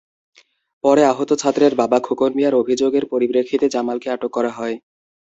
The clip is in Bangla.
পরে আহত ছাত্রের বাবা খোকন মিয়ার অভিযোগের পরিপ্রেক্ষিতে জামালকে আটক করা হয়।